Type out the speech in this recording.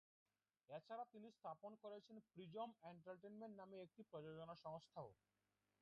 এছাড়া তিনি স্থাপন করেছেন প্রিজম এন্টারটেইনমেন্ট নামে একটি প্রযোজনা সংস্থাও।